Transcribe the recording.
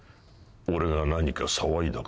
俺が何か騒いだか？